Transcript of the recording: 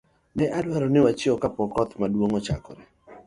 Ne adwaro ni wachiew kapok koth maduong' ochako chue.